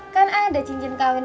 kan ada cincin kawin